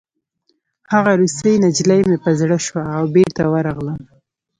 هغه روسۍ نجلۍ مې په زړه شوه او بېرته ورغلم